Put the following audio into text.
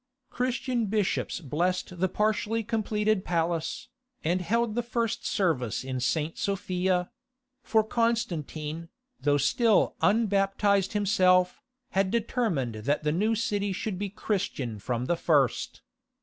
Christian bishops blessed the partially completed palace, and held the first service in St. Sophia; for Constantine, though still unbaptized himself, had determined that the new city should be Christian from the first.